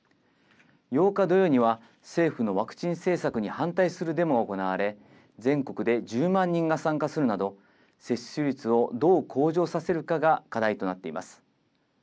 ８日土曜には、政府のワクチン政策に反対するデモが行われ、全国で１０万人が参加するなど、接種率をどう向上させるかが課題となっています。